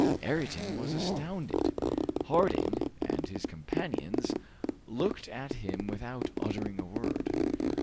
Ayrton was astounded. Harding and his companions looked at him without uttering a word.